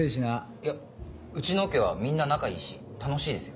いやうちのオケはみんな仲いいし楽しいですよ。